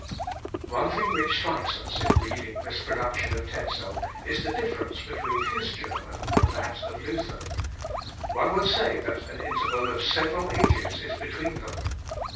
One thing which strikes us in reading this production of Tezel is the difference between his German and that of Luther. One would say that an interval of several ages is between them.